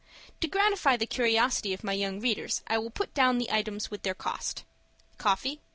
To gratify the curiosity of my young readers, I will put down the items with their cost,— Coffee